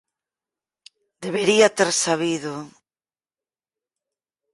Debería ter sabido...